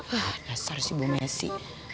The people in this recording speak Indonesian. hah dasar si bu messi